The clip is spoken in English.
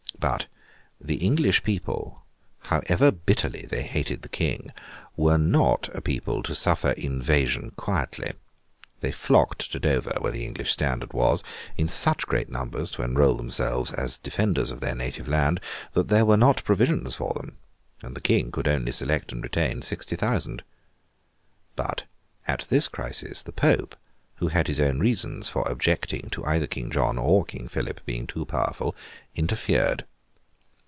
But the English people, however bitterly they hated the King, were not a people to suffer invasion quietly. They flocked to Dover, where the English standard was, in such great numbers to enrol themselves as defenders of their native land, that there were not provisions for them, and the King could only select and retain sixty thousand. But, at this crisis, the Pope, who had his own reasons for objecting to either King John or King Philip being too powerful, interfered.